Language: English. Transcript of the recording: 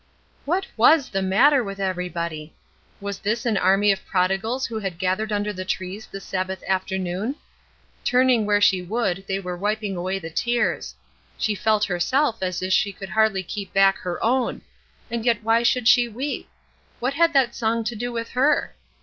What was the matter with everybody? Was this an army of prodigals who had gathered under the trees this Sabbath afternoon? Turn where she would they were wiping away the tears; she felt herself as if she could hardly keep back her own; and yet why should she weep? What had that song to do with her?